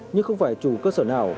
nhưng không phải chủ cơ sở nào